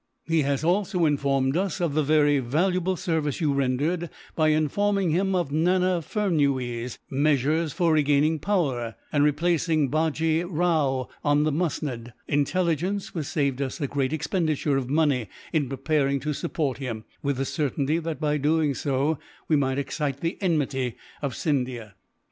He has also informed us of the very valuable service you rendered, by informing him of Nana Furnuwees' measures for regaining power, and replacing Bajee Rao on the musnud intelligence which saved us a great expenditure of money in preparing to support him; with the certainty that, by doing so, we might excite the enmity of Scindia.